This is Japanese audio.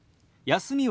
「休み」。